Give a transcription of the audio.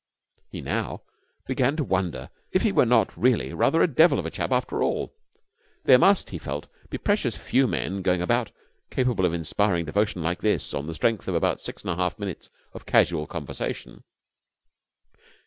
He now began to wonder if he were not really rather a devil of a chap after all. There must, he felt, be precious few men going about capable of inspiring devotion like this on the strength of about six and a half minutes casual conversation.